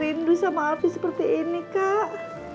rindu sama api seperti ini kak